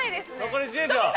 残り１０秒。